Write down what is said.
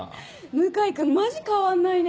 向井君マジ変わんないね